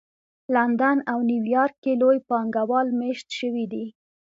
لندن او نیویارک کې لوی پانګه وال مېشت شوي دي